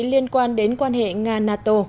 liên quan đến quan hệ nga nato